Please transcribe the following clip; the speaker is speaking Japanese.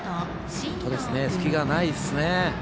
隙がないですね。